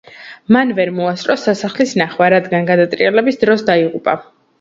მან ვერ მოასწრო სასახლის ნახვა, რადგან გადატრიალების დროს დაიღუპა.